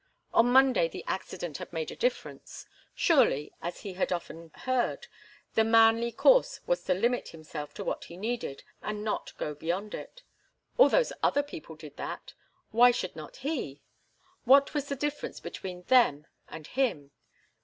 On Monday the accident had made a difference. Surely, as he had often heard, the manly course was to limit himself to what he needed, and not go beyond it. All those other people did that why should not he? What was the difference between them and him?